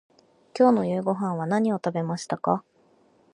今日の夕ごはんは何を食べましたか。